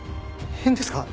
変ですか？